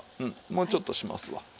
もうちょっとしますわ。